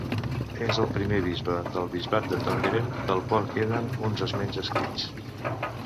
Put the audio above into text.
És el primer bisbe del bisbat de Tongeren del qual queden uns esments escrits.